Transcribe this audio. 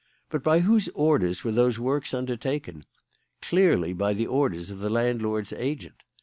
But by whose orders were those works undertaken? Clearly by the orders of the landlord's agent.